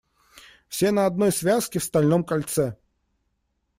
Все на одной связке, в стальном кольце.